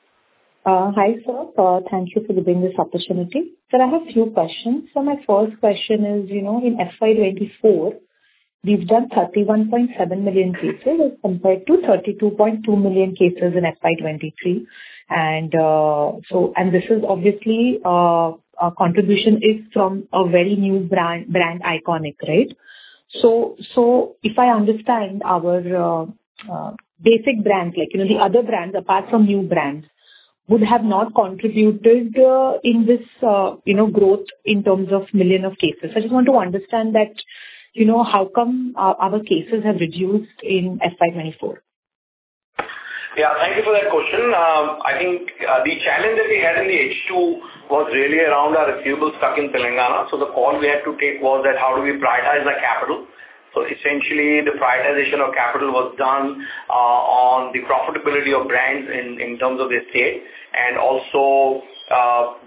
Hi sir. Thank you for giving this opportunity. I have a few questions. My first question is, in FY 2024, we've done 31.7 million cases as compared to 32.2 million cases in FY 2023. This is obviously a contribution from a very new brand, ICONiQ, right? If I understand, our basic brand, the other brands, apart from new brands, would have not contributed in this growth in terms of million of cases. I just want to understand how come our cases have reduced in FY 2024? Yeah. Thank you for that question. I think the challenge that we had in the H2 was really around our funds stuck in Telangana. So the call we had to take was that how do we prioritize our capital? So essentially, the prioritization of capital was done on the profitability of brands in terms of their state and also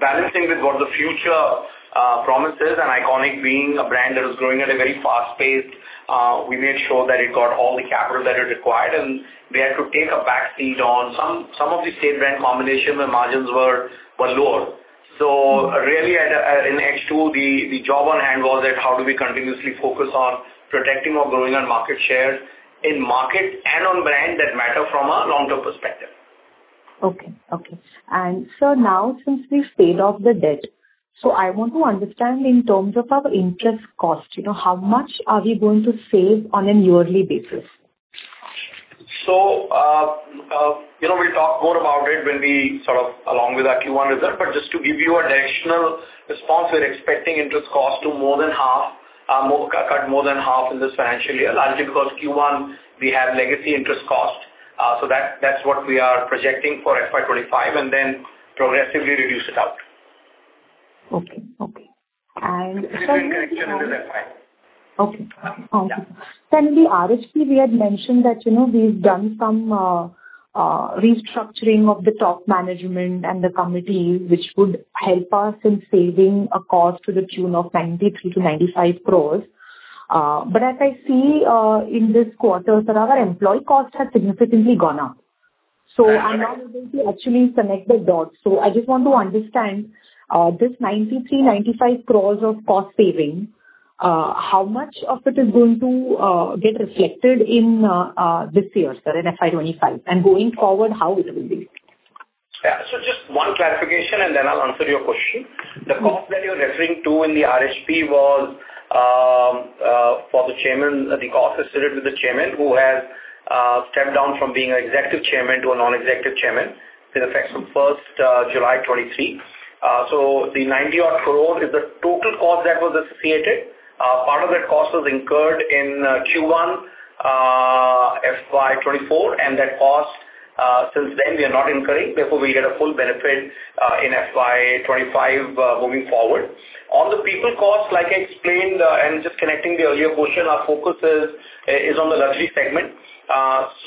balancing with what the future promises and ICONiQ being a brand that was growing at a very fast pace. We made sure that it got all the capital that it required, and we had to take a back seat on some of the state-brand combination where margins were lower. So really, in H2, the job on hand was that how do we continuously focus on protecting or growing our market shares in market and on brand that matter from a long-term perspective? Okay. Okay. And so now, since we've paid off the debt, so I want to understand in terms of our interest cost, how much are we going to save on a yearly basis? So we'll talk more about it when we sort of along with our Q1 result. But just to give you a directional response, we're expecting interest cost to more than half, cut more than half in this financial year, largely because Q1, we have legacy interest cost. So that's what we are projecting for FY 2025 and then progressively reduce it out. Okay. Okay. And so. That's the main connection in this FY. Okay. Okay. Then the RHP, we had mentioned that we've done some restructuring of the top management and the committee, which would help us in saving a cost to the tune of 93-95 crores. But as I see in this quarter, sir, our employee costs have significantly gone up. So I'm not able to actually connect the dots. So I just want to understand this 93-95 crores of cost saving, how much of it is going to get reflected in this year, sir, in FY 2025, and going forward, how it will be? Yeah. So just one clarification, and then I'll answer your question. The cost that you're referring to in the RHP was for the chairman, the cost associated with the chairman, who has stepped down from being an executive chairman to a non-executive chairman with effect from 1st July 2023. So the 90-odd crore is the total cost that was associated. Part of that cost was incurred in Q1 FY 2024, and that cost since then we are not incurring. Therefore, we get a full benefit in FY 2025 moving forward. On the people cost, like I explained, and just connecting the earlier question, our focus is on the luxury segment.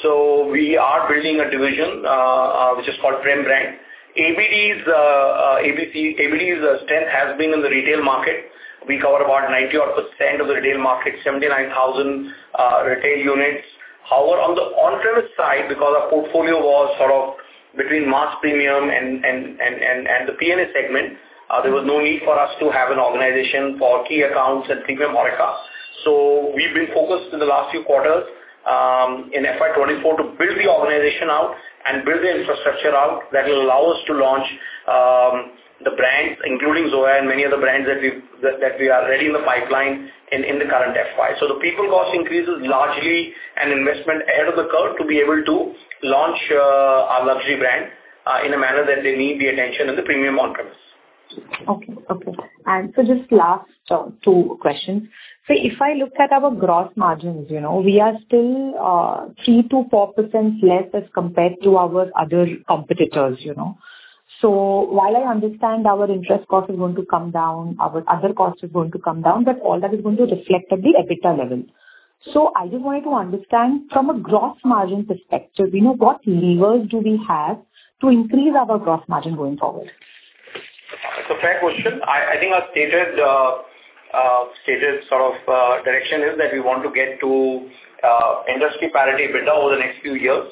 So we are building a division, which is called Prem- Brands. ABD's strength has been in the retail market. We cover about 90-odd% of the retail market, 79,000 retail units. However, on the on-premise side, because our portfolio was sort of between Mass segment and the P&A segment, there was no need for us to have an organization for key accounts and premium on-premise. So we've been focused in the last few quarters in FY 2024 to build the organization out and build the infrastructure out that will allow us to launch the brands, including Zoya and many other brands that we are already in the pipeline in the current FY. So the people cost increase is largely an investment ahead of the curve to be able to launch our luxury brand in a manner that they need the attention in the premium on-premise. Okay. Okay. Just last two questions. If I look at our gross margins, we are still 3%-4% less as compared to our other competitors. While I understand our interest cost is going to come down, our other cost is going to come down, but all that is going to reflect at the EBITDA level. I just wanted to understand from a gross margin perspective, what levers do we have to increase our gross margin going forward? It's a fair question. I think our stated sort of direction is that we want to get to industry parity EBITDA over the next few years.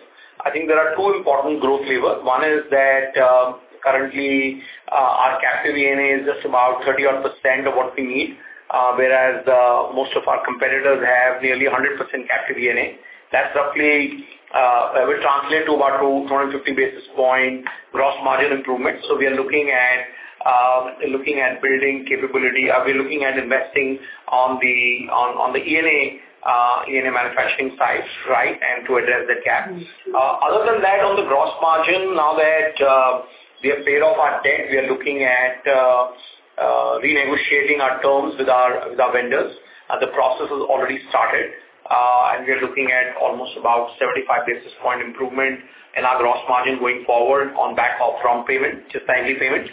I think there are two important growth levers. One is that currently, our captive E&A is just about 30-odd% of what we need, whereas most of our competitors have nearly 100% captive E&A. That's roughly it would translate to about 250 basis point gross margin improvement. So we are looking at building capability. We're looking at investing on the E&A manufacturing side, right, and to address the gap. Other than that, on the gross margin, now that we have paid off our debt, we are looking at renegotiating our terms with our vendors. The process has already started, and we are looking at almost about 75 basis point improvement in our gross margin going forward on back of prompt payment, just annual payment.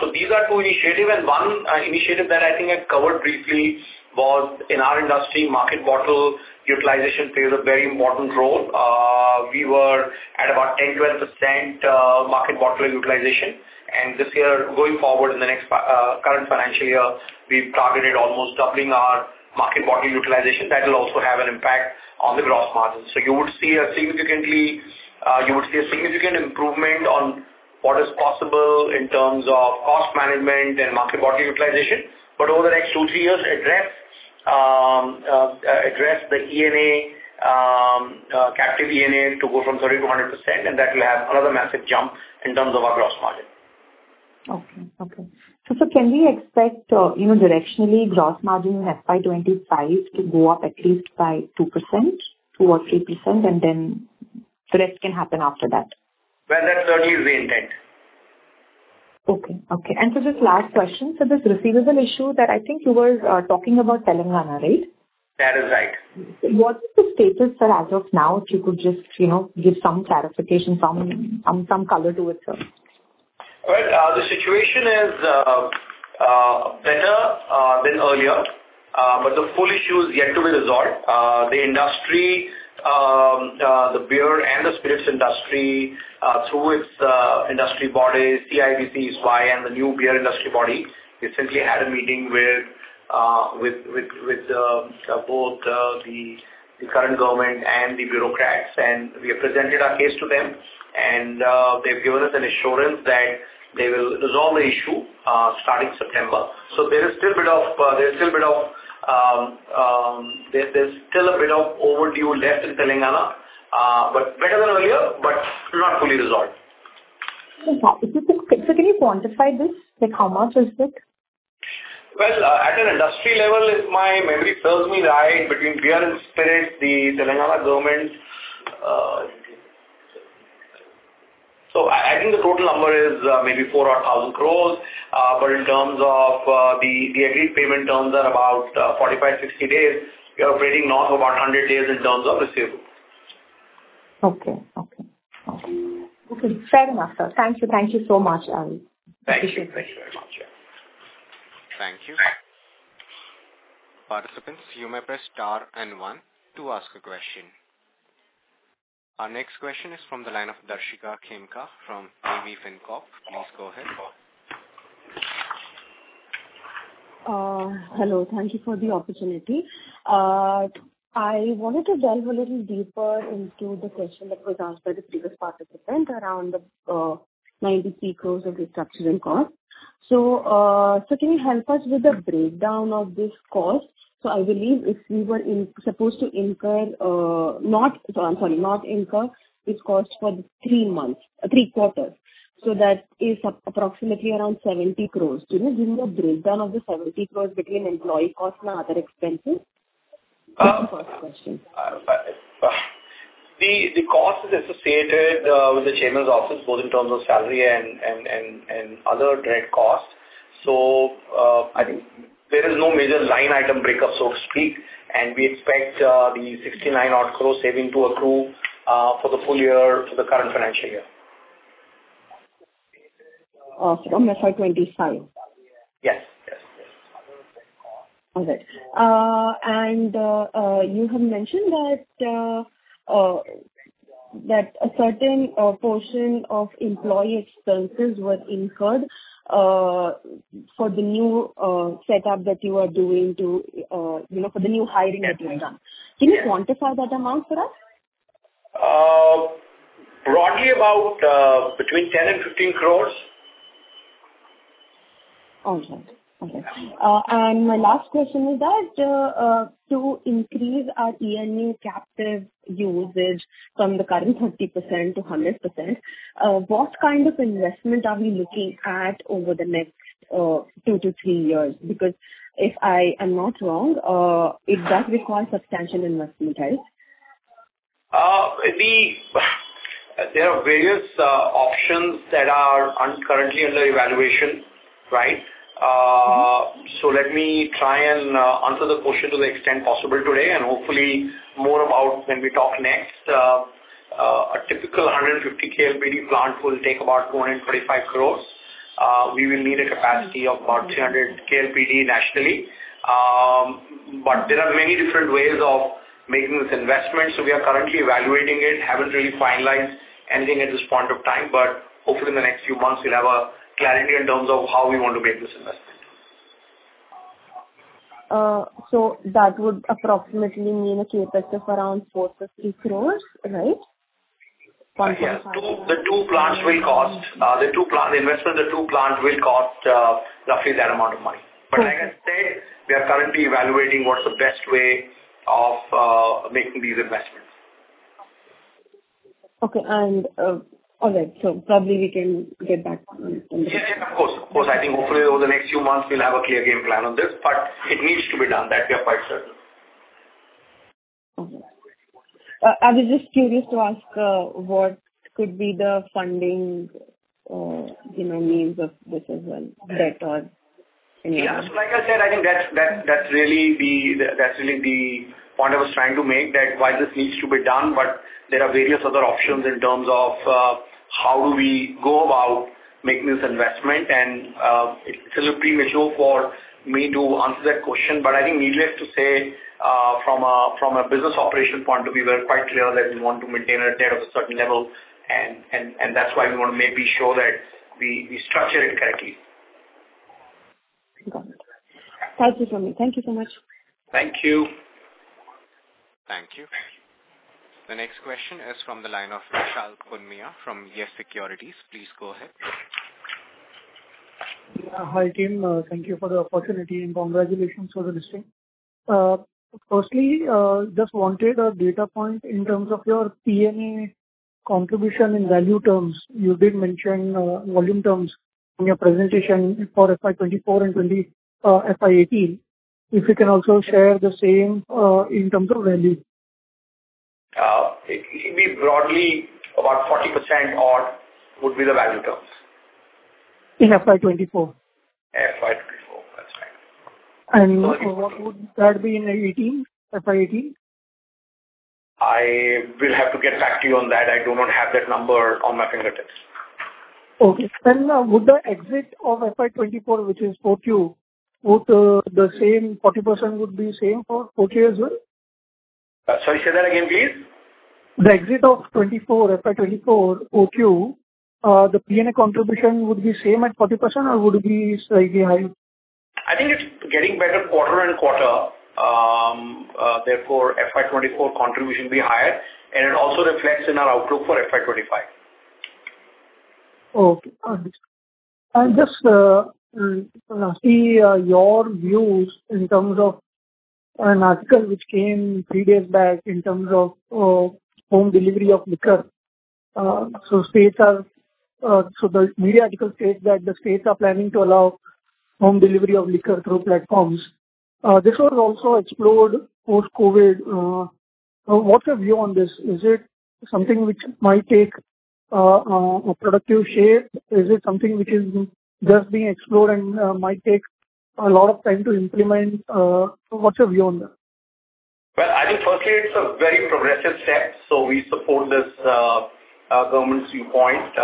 So these are two initiatives. One initiative that I think I covered briefly was in our industry, market bottle utilization plays a very important role. We were at about 10%-12% market bottle utilization. This year, going forward in the next current financial year, we've targeted almost doubling our market bottle utilization. That will also have an impact on the gross margin. So you would see a significantly you would see a significant improvement on what is possible in terms of cost management and market bottle utilization. But over the next 2-3 years, address the ENA, captive ENA to go from 30%-100%, and that will have another massive jump in terms of our gross margin. Okay. Okay. Can we expect directionally gross margin in FY 2025 to go up at least by 2%-3%, and then the rest can happen after that? Well, that certainly is the intent. Okay. Okay. And so just last question. So this receivable issue that I think you were talking about Telangana, right? That is right. What is the status, sir, as of now, if you could just give some clarification, some color to it, sir? Well, the situation is better than earlier, but the full issue is yet to be resolved. The industry, the beer and the spirits industry, through its industry bodies, CIABC, ISWAI, and the new beer industry body, we simply had a meeting with both the current government and the bureaucrats, and we have presented our case to them, and they've given us an assurance that they will resolve the issue starting September. So there is still a bit of overdue left in Telangana, but better than earlier, but not fully resolved. Okay. So can you quantify this? How much is it? Well, at an industry level, if my memory serves me right, between beer and spirits, the Telangana government, so I think the total number is maybe 4,000 crores. But in terms of the agreed payment terms are about 45-60 days. We are operating north of about 100 days in terms of receivable. Okay. Okay. Okay. Fair enough, sir. Thank you. Thank you so much. Thank you. Thank you very much. Yeah. Thank you. Participants, you may press star and one to ask a question. Our next question is from the line of Darshika Khemka from AVFinCorp. Please go ahead. Hello. Thank you for the opportunity. I wanted to delve a little deeper into the question that was asked by the previous participant around the 93 crore of restructuring cost. So can you help us with the breakdown of this cost? So I believe if we were supposed to incur not I'm sorry, not incur this cost for three quarters, so that is approximately around 70 crore. Do you know the breakdown of the 70 crore between employee costs and other expenses? That's the first question. The cost is associated with the chairman's office, both in terms of salary and other direct costs. So I think there is no major line item breakup, so to speak, and we expect the 69-odd crore saving to accrue for the full year for the current financial year. Awesome. On FY 2025? Yes. Yes. Yes. All right. You have mentioned that a certain portion of employee expenses were incurred for the new setup that you are doing to for the new hiring that you've done. Can you quantify that amount for us? Broadly, about between 10 crore and 15 crore. All right. All right. My last question is that to increase our ENA captive usage from the current 30%-100%, what kind of investment are we looking at over the next 2-3 years? Because if I am not wrong, it does require substantial investment, right? There are various options that are currently under evaluation, right? So let me try and answer the question to the extent possible today and hopefully more about when we talk next. A typical 150 KLPD plant will take about 225 crore. We will need a capacity of about 300 KLPD nationally. But there are many different ways of making this investment. So we are currently evaluating it. Haven't really finalized anything at this point of time, but hopefully in the next few months, we'll have a clarity in terms of how we want to make this investment. That would approximately mean a CapEx of around 450 crore, right? Yes. The investment in the two plants will cost roughly that amount of money. But like I said, we are currently evaluating what's the best way of making these investments. Okay. All right. So probably we can get back on the. Yeah. Yeah. Of course. Of course. I think hopefully over the next few months, we'll have a clear game plan on this, but it needs to be done. That we are quite certain. Okay. I was just curious to ask what could be the funding means of this as well? Debt or any other? Yeah. So like I said, I think that's really the point I was trying to make, that why this needs to be done. But there are various other options in terms of how do we go about making this investment. And it's a little premature for me to answer that question, but I think needless to say, from a business operation point of view, we're quite clear that we want to maintain our debt at a certain level, and that's why we want to maybe show that we structure it correctly. Got it. Thank you for me. Thank you so much. Thank you. Thank you. The next question is from the line of Vishal Punmiya from YES SECURITIES. Please go ahead. Hi, team. Thank you for the opportunity and congratulations for the listing. Firstly, just wanted a data point in terms of your P&A contribution in value terms. You did mention volume terms in your presentation for FY 2024 and FY 2018. If you can also share the same in terms of value. It'd be broadly about 40% odd would be the value terms. In FY 2024? FY 2024. That's right. What would that be in FY 2018? I will have to get back to you on that. I do not have that number on my fingertips. Okay. Then would the exit of FY 2024, which is 4Q, would the same 40% would be same for 4Q as well? Sorry. Say that again, please. The exit of FY 2024 Q1, the P&A contribution would be same at 40% or would it be slightly higher? I think it's getting better quarter and quarter. Therefore, FY 2024 contribution will be higher, and it also reflects in our outlook for FY 2025. Okay. And just see your views in terms of an article which came three days back in terms of home delivery of liquor. So the media article states that the states are planning to allow home delivery of liquor through platforms. This was also explored post-COVID. What's your view on this? Is it something which might take a productive shape? Is it something which is just being explored and might take a lot of time to implement? What's your view on that? Well, I think firstly, it's a very progressive step. So we support this government's viewpoint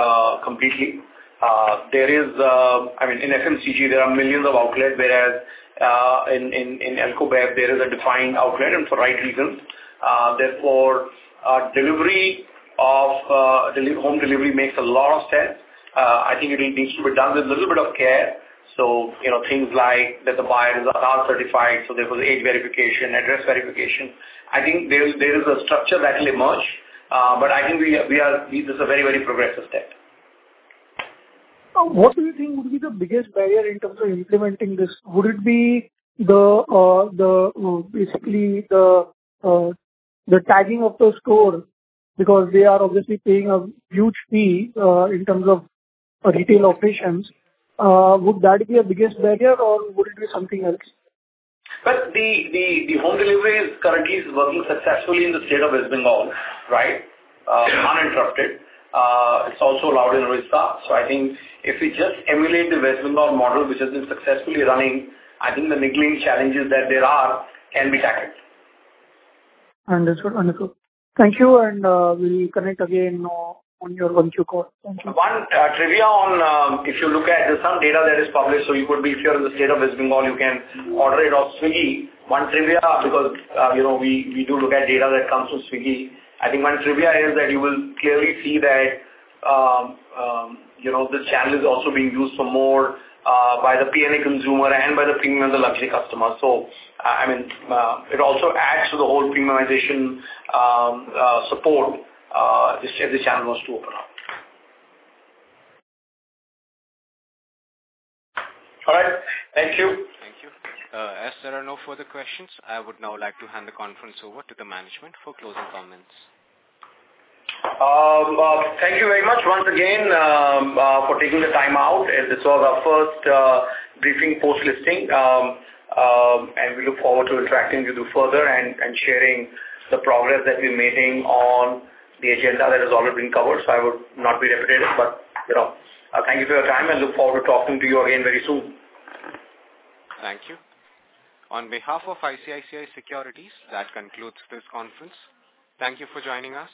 completely. I mean, in FMCG, there are millions of outlets, whereas in Alcobev, there is a defined outlet and for right reasons. Therefore, delivery of home delivery makes a lot of sense. I think it needs to be done with a little bit of care. So things like that the buyer is Aadhaar certified, so there was age verification, address verification. I think there is a structure that will emerge, but I think this is a very, very progressive step. What do you think would be the biggest barrier in terms of implementing this? Would it be basically the tagging of the store because they are obviously paying a huge fee in terms of retail operations? Would that be a biggest barrier or would it be something else? Well, the home delivery currently is working successfully in the state of West Bengal, right? Uninterrupted. It's also allowed in Rajasthan. So I think if we just emulate the West Bengal model, which has been successfully running, I think the niggling challenges that there are can be tackled. Understood. Understood. Thank you. We'll connect again on your 1Q call. Thank you. One trivia on if you look at some data that is published, so you could be here in the state of West Bengal, you can order it off Swiggy. One trivia because we do look at data that comes from Swiggy. I think one trivia is that you will clearly see that this channel is also being used for more by the P&A consumer and by the premium and the luxury customer. So I mean, it also adds to the whole premiumization support if the channel wants to open up. All right. Thank you. Thank you. As there are no further questions, I would now like to hand the conference over to the management for closing comments. Thank you very much once again for taking the time out. This was our first briefing post-listing, and we look forward to interacting with you further and sharing the progress that we're making on the agenda that has already been covered. So I would not be repetitive, but thank you for your time, and look forward to talking to you again very soon. Thank you. On behalf of ICICI Securities, that concludes this conference. Thank you for joining us.